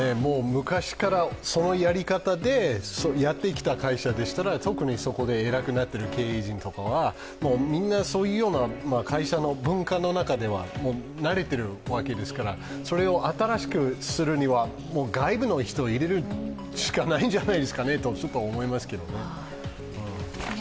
昔からそのやり方でやってきた会社でしたら特にそこで偉くなってる経営陣とかはみんなそのような会社の文化の中で、慣れているわけですから、それを新しくするには外部の人を入れるしかないんじゃないですかねとちょっと思いますけどね。